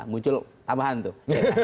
muncul tambahan tuh